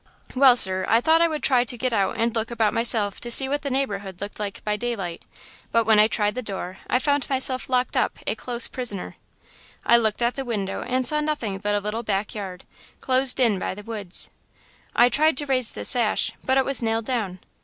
Well, sir, I thought I would try to get out and look about myself to see what the neighborhood looked like by daylight, but when I tried the door I found myself locked up a close prisoner. I looked out the window and saw nothing but a little back yard, closed in by the woods. I tried to raise the sash, but it was nailed down.